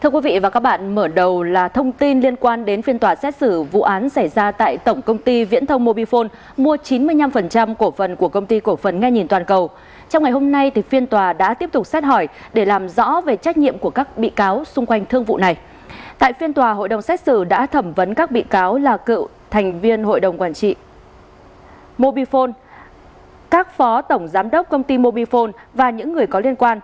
các bạn hãy đăng ký kênh để ủng hộ kênh của chúng mình nhé